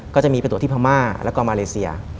ก็จะมีไปตรวจที่พม่าแล้วก็มาเลเซีย